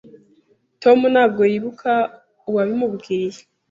Tom ntabwo yibuka uwabimubwiye.